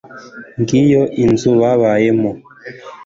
ngiyo inzu babayemo